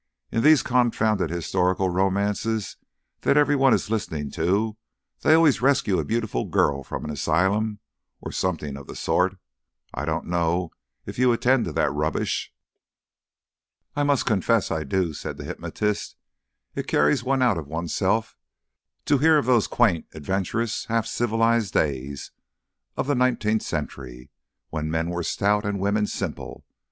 "In these confounded historical romances that every one is listening to, they always rescue a beautiful girl from an asylum or something of the sort. I don't know if you attend to that rubbish." "I must confess I do," said the hypnotist. "It carries one out of oneself to hear of those quaint, adventurous, half civilised days of the nineteenth century, when men were stout and women simple.